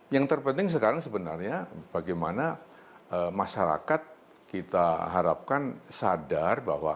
yang terpenting sekarang sebenarnya bagaimana masyarakat kita harapkan sadar bahwa